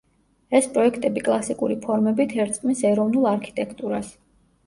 ეს პროექტები კლასიკური ფორმებით ერწყმის ეროვნულ არქიტექტურას.